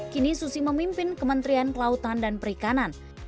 kini susi memimpin kementerian kelautan dan perikanan